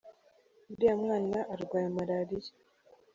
uriya mwana arwaye malariya.